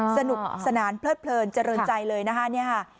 สนุกสนานเพลิดเพลินเจริญใจเลยนะคะเนี่ยค่ะ